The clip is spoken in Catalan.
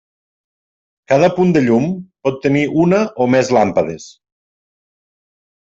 Cada punt de llum pot tenir una o més làmpades.